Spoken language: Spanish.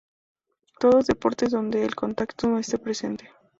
Todos deportes donde el contacto no este presente.